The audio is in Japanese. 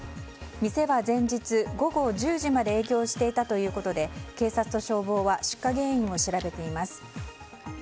店は前日、午後１０時まで営業していたということで警察と消防は出火原因を調べています。